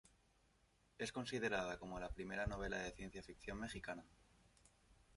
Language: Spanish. Es considerada como la primera novela de ciencia ficción mexicana.